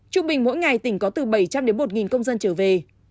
trung bình mỗi ngày tỉnh có từ bảy trăm linh đến một công dân trở về